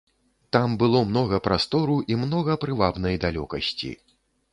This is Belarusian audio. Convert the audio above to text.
Там было многа прастору і многа прывабнай далёкасці.